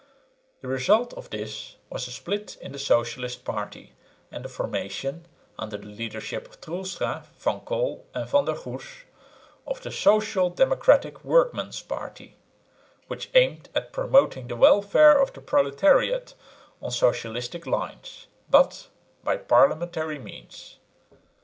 The result of this was a split in the socialist party and the formation, under the leadership of Troelstra, Van Kol and Van der Goes, of the "Social Democratic Workmen's Party," which aimed at promoting the welfare of the proletariat on socialistic lines, but by parliamentary means.